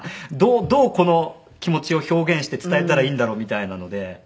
どうこの気持ちを表現して伝えたらいいんだろうみたいなので。